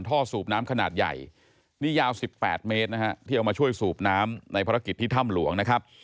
สูบน้ำขนาดใหญ่นี่ยาว๑๘เมตรนะฮะที่เอามาช่วยสูบน้ำในภารกิจที่ถ้ำหลวงนะครับ